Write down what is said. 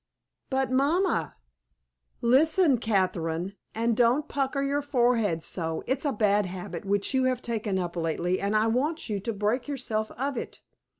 "But, mamma!" "Listen, Catherine, and don't pucker your forehead so. It's a bad habit which you have taken up lately, and I want you to break yourself of it.